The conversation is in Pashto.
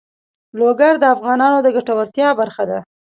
لوگر د افغانانو د ګټورتیا برخه ده.